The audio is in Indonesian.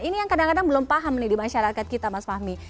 ini yang kadang kadang belum paham nih di masyarakat kita mas fahmi